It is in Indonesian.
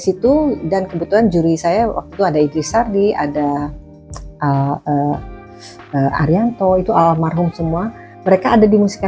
situ dan kebetulan juri saya waktu ada idris sardi ada al arianto itu almarhum semua mereka ada di musik